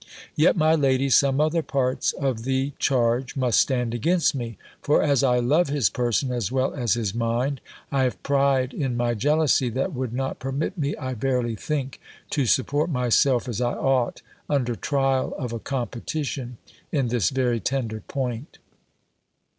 Yet, my lady, some other parts of the charge must stand against me; for as I love his person, as well as his mind, I have pride in my jealousy, that would not permit me, I verily think, to support myself as I ought, under trial of a competition, in this very tender point.